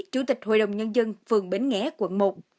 chủ tịch hội đồng nhân dân phường bến nghé quận một